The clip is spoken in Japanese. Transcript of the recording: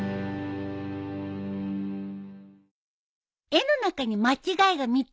絵の中に間違いが３つあるよ。